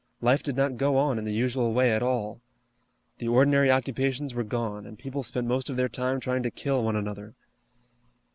Life did not go on in the usual way at all. The ordinary occupations were gone, and people spent most of their time trying to kill one another.